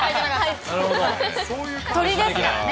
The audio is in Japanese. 鳥ですからね。